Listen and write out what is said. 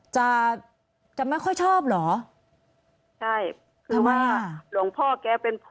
จะจะไม่ค่อยชอบเหรอใช่คือว่าหลวงพ่อแกเป็นพ่อ